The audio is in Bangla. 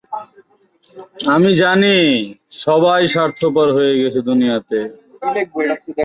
তিনি শ্রম আইন ও কর্মসংস্থান আইন বিষয়ে বিশেষজ্ঞ।